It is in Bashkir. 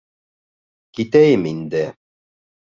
Китәйем инде.